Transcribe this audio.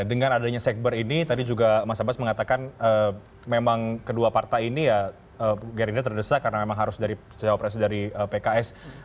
dengan adanya sekber ini tadi juga mas abbas mengatakan memang kedua partai ini ya gerindra terdesak karena memang harus dari cawapres dari pks